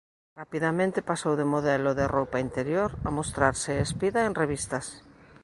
Rapidamente pasou de modelo de roupa interior a mostrarse espida en revistas.